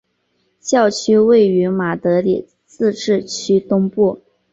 教区位于马德里自治区东部。